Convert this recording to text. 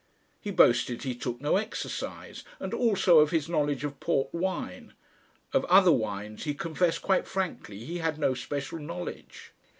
He boasted he took no exercise, and also of his knowledge of port wine. Of other wines he confessed quite frankly he had no "special knowledge."